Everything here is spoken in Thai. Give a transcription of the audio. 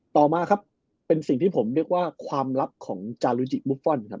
ต่อมาครับเป็นสิ่งที่ผมเรียกว่าความลับของจารุจิบุฟฟอลครับ